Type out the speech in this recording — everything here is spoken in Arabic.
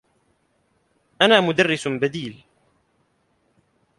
أنا مدرّس بديل.